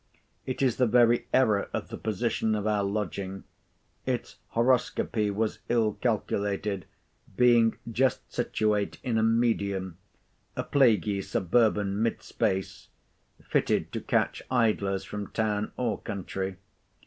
It is the very error of the position of our lodging; its horoscopy was ill calculated, being just situate in a medium—a plaguy suburban mid space—fitted to catch idlers from town or country.